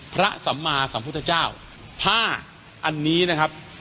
สัมมาสัมพุทธเจ้าผ้าอันนี้นะครับ